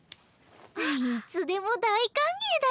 いつでも大歓迎だよ。